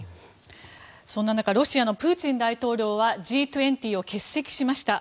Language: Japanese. そんな中ロシアのプーチン大統領はＧ２０を欠席しました。